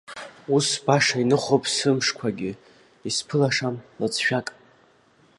Ус баша иныхуп сымшқәагьы, исԥылашам лыҵшәак.